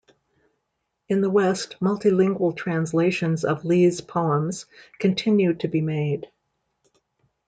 In the West, multi-lingual translations of Li's poems continue to be made.